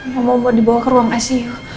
mau dibawa ke ruang icu